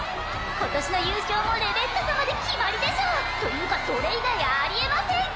今年の優勝もレベッカ様で決まりでしょうというかそれ以外ありえません！